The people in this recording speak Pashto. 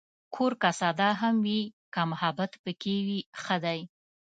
کور که ساده هم وي، که محبت پکې وي، ښه دی.